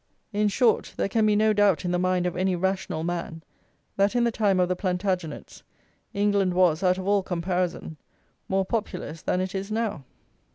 In short, there can be no doubt in the mind of any rational man that in the time of the Plantagenets England was, out of all comparison, more populous than it is now.